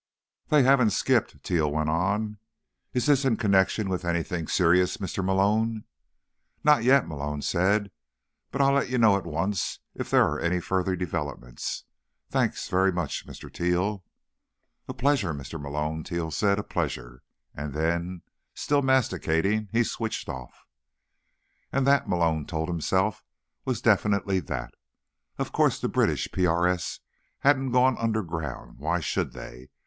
"They haven't skipped," Teal went on. "Is this in connection with anything serious, Mr. Malone?" "Not yet," Malone said. "But I'll let you know at once if there are any further developments. Thanks very much, Mr. Teal." "A pleasure, Mr. Malone," Teal said. "A pleasure." And then, still masticating, he switched off. And that, Malone told himself, was definitely that. Of course the British PRS hadn't gone underground; why should they?